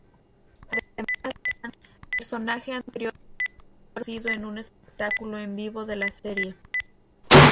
Además de Ann, personaje anteriormente introducido en un espectáculo en vivo de la serie.